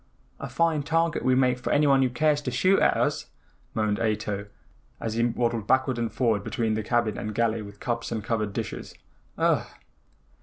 "A fine target we make for anyone who cares to shoot at us," moaned Ato, as he waddled backward and forward between the cabin and galley with cups and covered dishes. "Ugh!"